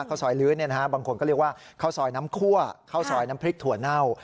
ข้าวซอยลื้อบางคนก็เรียกว่าข้าวซอยน้ำคั่วข้าวซอยน้ำพริกถั่วเน่า